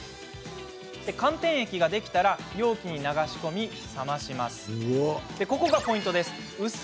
寒天液ができたら容器に流し込み冷まします。